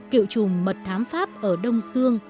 cựu trùm mật thám pháp ở đông sương